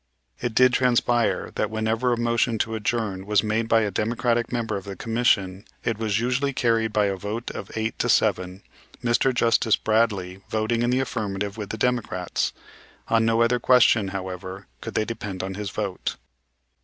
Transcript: It did transpire that whenever a motion to adjourn was made by a Democratic member of the commission it was usually carried by a vote of eight to seven, Mr. Justice Bradley voting in the affirmative with the Democrats. On no other question, however, could they depend on his vote.